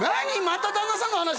また旦那さんの話？